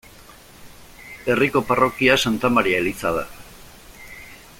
Herriko parrokia Santa Maria eliza da.